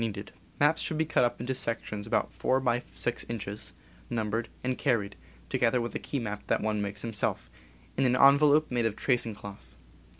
* Maps should be cut up into sections about 4 by 6 inches, numbered, and carried (together with a key map that one makes himself) in an envelope made of tracing cloth.